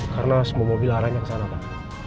karena semua mobil harian yang sana pak